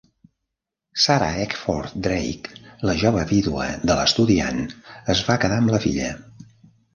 Sarah Eckford Drake, la jove vídua de l'estudiant, es va quedar amb la filla.